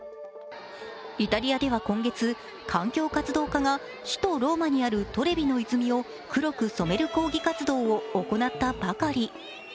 イタリアでは今月、観光活動家が首都ローマにあるトレビの泉を黒く染める抗議活動を行ったばかり。